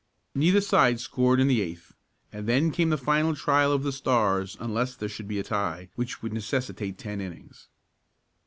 Neither side scored in the eighth and then came the final trial of the Stars unless there should be a tie, which would necessitate ten innings.